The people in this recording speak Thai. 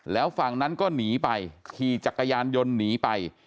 แล้วฝั่งนั้นก็หนีไปขี่จักรยานยนต์หนีไป